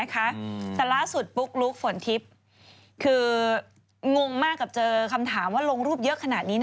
แต่ล่าสุดปุ๊กลุ๊กฝนทิพย์คืองงมากกับเจอคำถามว่าลงรูปเยอะขนาดนี้